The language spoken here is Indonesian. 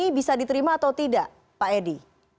ini bisa diterima atau tidak pak edi